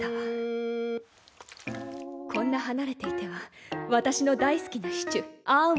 こんな離れていては私の大好きなシチュあっ！ああ。